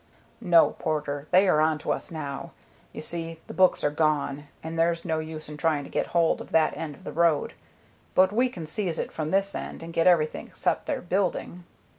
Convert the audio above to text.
"No, Porter, they are on to us now. You see, the books are gone, and there's no use in trying to get hold of that end of the road; but we can seize it from this end and get everything except their building."